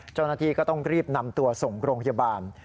เจ้าหน้าที่ก็ต้องรีบนำตัวส่งโรงพยาบาล